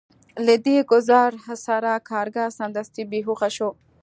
له دې ګزار سره کارګر سمدستي بې هوښه شو